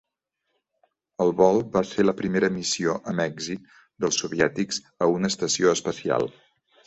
El vol va ser la primera missió amb èxit dels soviètics a una estació espacial.